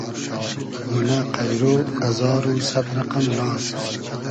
مونۂ قݷرۉ ازار و سئد رئقئم ناز